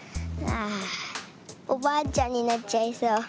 ああおばあちゃんになっちゃいそう。